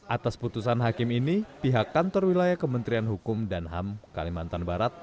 atas putusan hakim ini pihak kantor wilayah kementerian hukum dan ham kalimantan barat